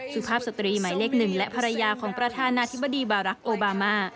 สุภาพสตรีหมายเลข๑และภรรยาของประธานาธิบดีบารักษ์โอบามา